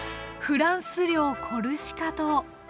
フランス領コルシカ島。